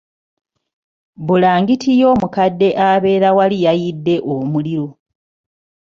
Bbulangiti y'omukadde abeera wali yayidde omuliro.